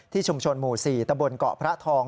ที่ชุมชนหมู่๔ตะบนเกาะพระทอง